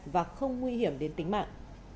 và không nguy hiểm đến tính mạng